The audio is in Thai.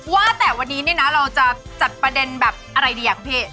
ว่าแต่วันนี้เราจะจัดประเด็นแบบอะไรดีครับพี่